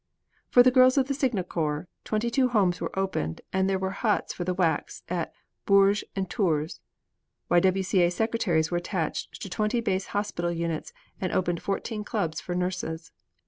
For the girls of the signal corps twenty two homes were opened and there were huts for the Waacs at Bourges and Tours. Y. W. C. A. secretaries were attached to twenty base hospital units and opened fourteen clubs for nurses.